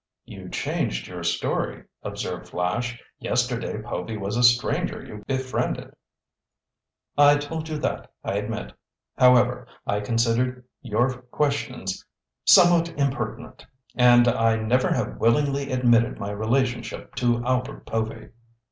"You changed your story," observed Flash. "Yesterday Povy was a stranger you befriended." "I told you that, I admit. However, I considered your questions somewhat impertinent. And I never have willingly admitted my relationship to Albert Povy.